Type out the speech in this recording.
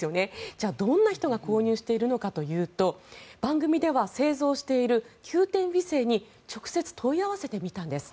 じゃあ、どんな人が購入しているのかというと番組では製造している九天微星に直接、問い合わせてみたんです。